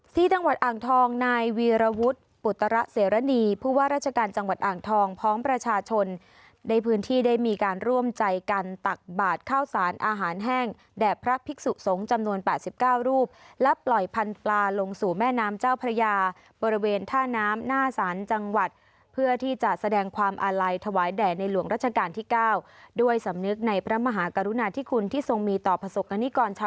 ที่จังหวัดอ่างทองนายวีรวุฒิปุฏระเสรดีผู้ว่าราชการจังหวัดอ่างทองพ้องประชาชนในพื้นที่ได้มีการร่วมใจกันตักบาดข้าวสารอาหารแห้งแด่พระพิกษุสงฆ์จำนวน๘๙รูปและปล่อยพันฟลาลงสู่แม่น้ำเจ้าพระยาบริเวณท่าน้ำหน้าสารจังหวัดเพื่อที่จะแสดงความอาลัยถวายแด่ในหลวงราช